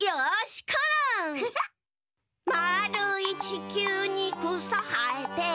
「まーるいちきゅうにくさはえて」